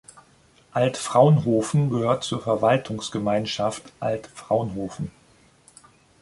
Altfraunhofen gehört zur Verwaltungsgemeinschaft Altfraunhofen.